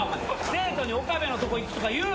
生徒に岡部のとこ行くとか言うな！